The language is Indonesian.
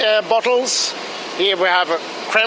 di sini kita memiliki paket krim